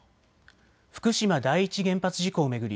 福島第一原発事故を巡り